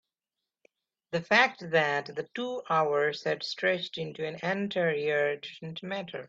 the fact that the two hours had stretched into an entire year didn't matter.